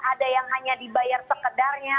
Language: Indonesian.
ada yang hanya dibayar sekedarnya